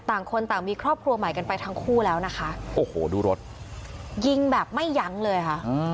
ต่างคนต่างมีครอบครัวใหม่กันไปทั้งคู่แล้วนะคะโอ้โหดูรถยิงแบบไม่ยั้งเลยค่ะ